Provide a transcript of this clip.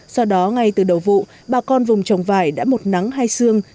sau đó ngay từ đầu vụ bà con vùng trồng vải đã một nắng hai xương